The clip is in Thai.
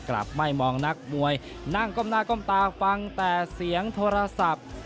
กลับไม่มองนักมวยนั่งก้มหน้าก้มตาฟังแต่เสียงโทรศัพท์